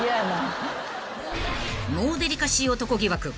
［ノーデリカシー男疑惑］